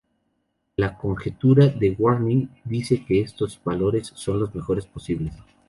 La conjetura de Waring dicen que estos valores son los mejores posibles.